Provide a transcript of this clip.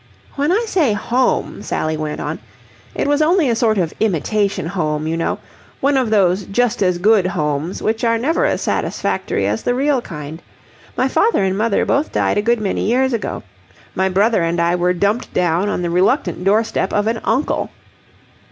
"When I say home," Sally went on, "it was only a sort of imitation home, you know. One of those just as good homes which are never as satisfactory as the real kind. My father and mother both died a good many years ago. My brother and I were dumped down on the reluctant doorstep of an uncle."